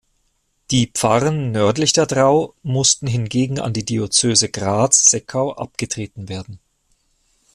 Die Pfarren nördlich der Drau mussten hingegen an die Diözese Graz-Seckau abgetreten werden.